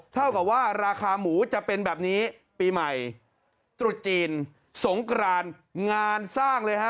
เท่ากับว่าราคาหมูจะเป็นแบบนี้ปีใหม่ตรุษจีนสงกรานงานสร้างเลยฮะ